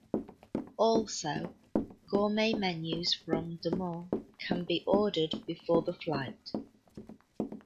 Also, gourmet menus from Demel can be ordered before the flight.